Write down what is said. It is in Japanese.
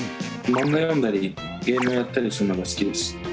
漫画読んだり、ゲームやったりするのが好きです。